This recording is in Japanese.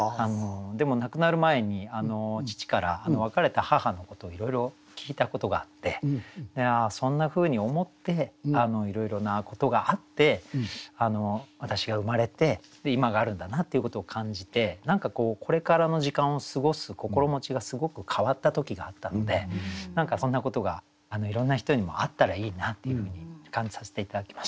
でも亡くなる前に父から別れた母のことをいろいろ聞いたことがあってああそんなふうに思っていろいろなことがあって私が生まれて今があるんだなっていうことを感じて何かこれからの時間を過ごす心持ちがすごく変わった時があったので何かそんなことがいろんな人にもあったらいいなっていうふうに感じさせて頂きました。